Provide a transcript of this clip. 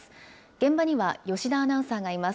現場には吉田アナウンサーがいます。